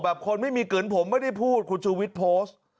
คนไม่มีเกินผมไม่ได้พูดคุณชูวิทย์โพสต์